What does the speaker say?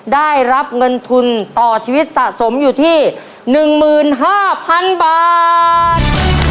ได้รับเงินทุนต่อชีวิตสะสมอยู่ที่๑๕๐๐๐บาท